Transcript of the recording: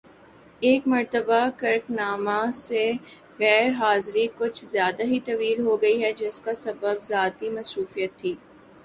اس مرتبہ کرک نامہ سے غیر حاضری کچھ زیادہ ہی طویل ہوگئی ہے جس کا سبب ذاتی مصروفیت تھی